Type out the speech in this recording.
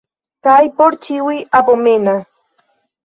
Kaj por ĉiuj abomena!